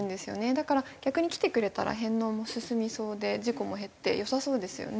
だから逆に来てくれたら返納も進みそうで事故も減って良さそうですよね。